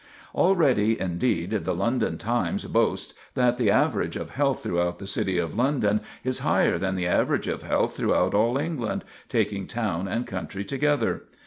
Already, indeed, the London Times boasts "that the average of health throughout the City of London is higher than the average of health throughout all England, taking town and country together.